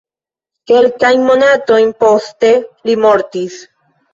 Kelkajn monatojn poste li mortis.